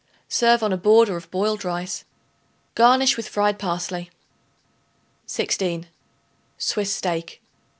Serve on a border of boiled rice; garnish with fried parsley. 16. Swiss Steak.